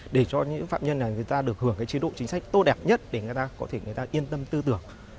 để cho những phạm nhân được hưởng chế độ chính sách tốt đẹp nhất để người ta yên tâm tư tưởng